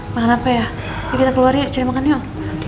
makan apa ya kita keluarin cari makan yuk